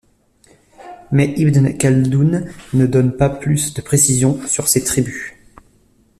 Mais Ibn Khaldoun ne donne pas plus de précisions sur ces tribus.